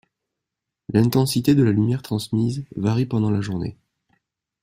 L’intensité de la lumière transmise varie pendant la journée.